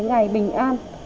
cái ngày bình an